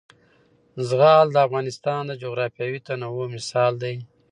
زغال د افغانستان د جغرافیوي تنوع مثال دی.